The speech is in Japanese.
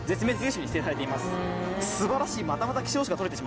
素晴らしい。